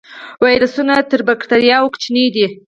ویروسونه تر بکتریاوو کوچني دي